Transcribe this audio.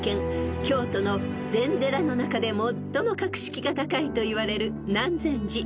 ［京都の禅寺の中で最も格式が高いといわれる南禅寺］